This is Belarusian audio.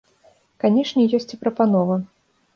Канешне, ёсць і прапанова.